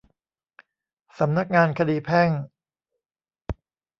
สำนักงานคดีแพ่ง